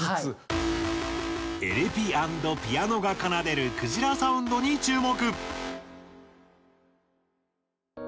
エレピ＆ピアノが奏でるくじらサウンドに注目。